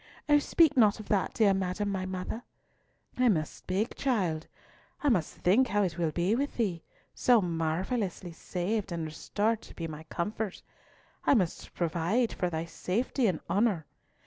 "Oh speak not of that, dear madam, my mother." "I must speak, child. I must think how it will be with thee, so marvellously saved, and restored to be my comfort. I must provide for thy safety and honour.